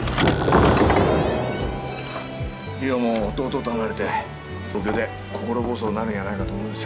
梨央も弟と離れて東京で心細おなるんやないかと思います